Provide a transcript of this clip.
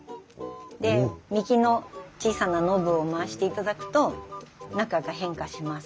で右の小さなノブを回していただくと中が変化します。